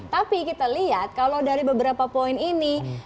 tapi kita lihat kalau dari beberapa poin ini